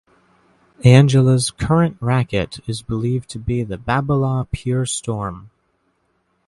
Angela's current racquet is believed to be the Babolat Pure Storm.